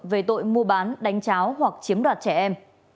về tội mua bán đánh cháo hoặc chiếm đoạt trẻ em